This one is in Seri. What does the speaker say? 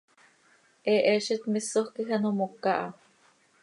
He Hezitmisoj quij ano moca ha.